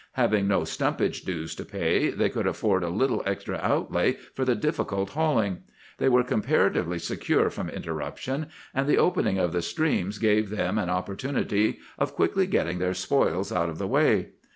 Having no stumpage dues to pay, they could afford a little extra outlay for the difficult hauling. They were comparatively secure from interruption, and the opening of the streams gave them an opportunity of quickly getting their spoils out of the way.